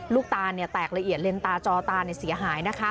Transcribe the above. ลูกตาแตกละเอียดเลนตาจอตาเสียหายนะคะ